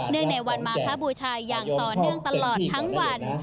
ในวันมาคบูชาอย่างต่อเนื่องตลอดทั้งวัน